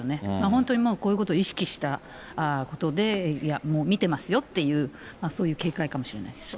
本当にもうこういうことを意識したことで、もう見てますよっていう、そういう警戒かもしれないですね。